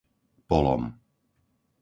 Polom